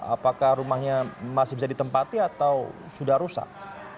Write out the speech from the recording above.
apakah rumahnya masih bisa ditempati atau sudah rusak